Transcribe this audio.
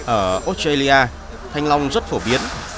ở australia thanh long rất phổ biến